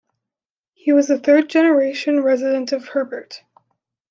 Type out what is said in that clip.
He was a third generation resident of Herbert.